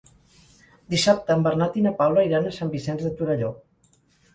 Dissabte en Bernat i na Paula iran a Sant Vicenç de Torelló.